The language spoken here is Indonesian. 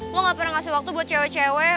lo gak pernah ngasih waktu buat cewek cewek